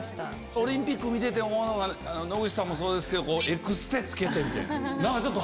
オリンピック見てて思うのが野口さんもそうですけどエクステ着けて。